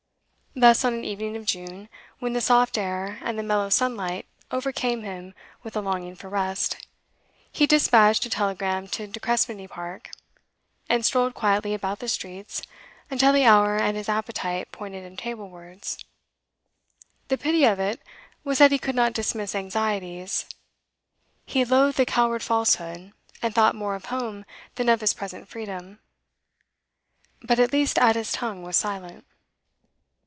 Thus on an evening of June, when the soft air and the mellow sunlight overcame him with a longing for rest, he despatched a telegram to De Crespigny Park, and strolled quietly about the streets until the hour and his appetite pointed him tablewards. The pity of it was that he could not dismiss anxieties; he loathed the coward falsehood, and thought more of home than of his present freedom. But at least Ada's tongue was silent.